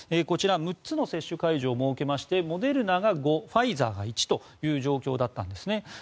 こちら６つの接種会場を設けましてモデルナが５ファイザーが１という状況だったんです。